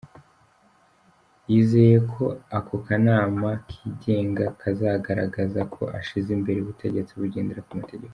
Yizeye ko aka kanama kigenga kazagaragaza ko ashyize imbere ubutegetsi bugendera ku mategeko.